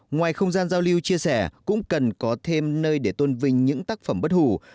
ngoài không gian giao lưu chia sẻ cũng cần có thêm nơi để tôn vinh những tác phẩm bất hủ